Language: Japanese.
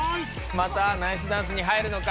またナイスダンスに入るのか？